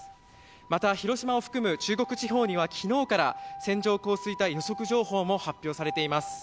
また広島を含む中国地方には昨日から線状降水帯予測情報も発表されています。